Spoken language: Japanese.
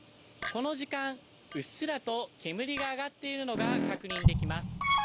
この時間、うっすらと煙が上がっているのが確認できます。